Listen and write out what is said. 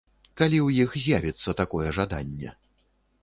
Калі ў іх з'явіцца такое жаданне.